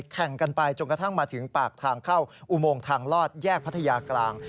แข่งกันไปจนกระทั่งมาถึงปากทางเข้าอุโมงทางลอดแยกพัทยากลาง